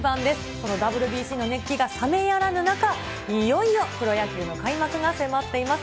このＷＢＣの熱気が冷めやらぬ中、いよいよプロ野球の開幕が迫っています。